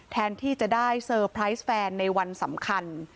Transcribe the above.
แทนที่จะได้เซอร์ไพรส์แฟนในวันสำคัญ